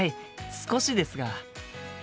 少しですが。